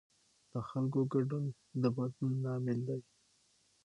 د خلکو ګډون د بدلون لامل دی